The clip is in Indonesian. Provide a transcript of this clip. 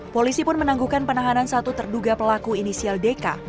polisi pun menangguhkan penahanan satu terduga pelaku inisial deka